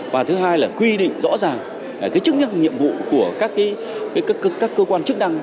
và thứ hai là quy định rõ ràng cái chức nhận nhiệm vụ của các cơ quan chức năng